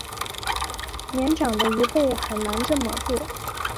年长的一辈很难这么做